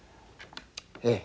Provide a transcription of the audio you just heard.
ええ。